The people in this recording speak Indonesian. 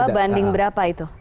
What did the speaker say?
berarti dua banding berapa itu